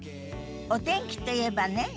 お天気といえばね